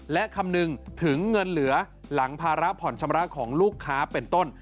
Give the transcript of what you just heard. และคำนึงถึงเงินเหลือหลังภาระผ่อนชำระของลูกค้าเป็นต้น